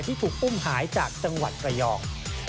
ที่ถูกอุ้มหายจากจังหวัดระยอง